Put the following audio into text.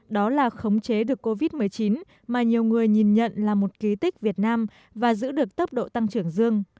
đó là khống chế được covid một mươi chín mà nhiều người nhìn nhận là một ký tích việt nam và giữ được tốc độ tăng trưởng dương